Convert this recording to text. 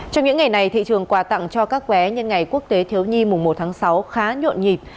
trong những ngày này thị trường quà tặng cho các bé nhân ngày quốc tế thiếu nhi mùng một tháng sáu khá nhộn nhịp